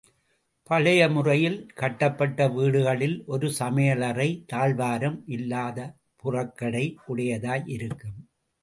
பழைய முறையில் கட்டப்பட்ட வீடுகளில் ஒரு சமையல் அறை, தாழ்வாரம் இல்லாத புறக்கடை உடையதாய் இருக்கும்.